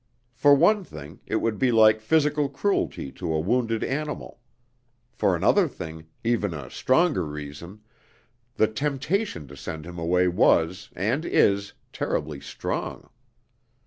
For one thing, it would be like physical cruelty to a wounded animal. For another thing even a stronger reason the temptation to send him away was and is terribly strong.